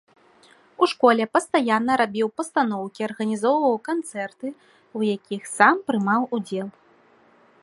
У школе пастаянна рабіў пастаноўкі, арганізоўваў канцэрты, у якіх сам прымаў удзел.